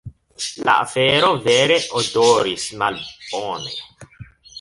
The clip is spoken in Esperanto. La afero vere odoris malbone.